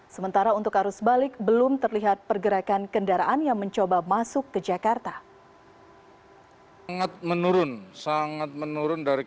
sementara untuk arus balik belum terlihat pergerakan kendaraan yang mencoba masuk ke jakarta